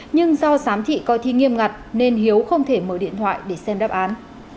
nhưng do sám thị coi thi nghiêm ngặt nên hiếu không thể mở điện thoại để xem đáp án